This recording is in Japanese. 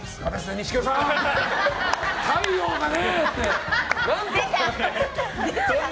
錦野さん、太陽がね！